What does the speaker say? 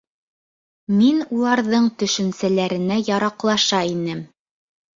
Мин уларҙың төшөнсәләренә яраҡлаша инем.